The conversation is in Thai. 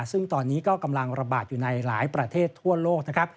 ซึ่งตอนนี้ก็กำลังระบาดอยู่ในหลายประเทศทั่วโลกนะครับ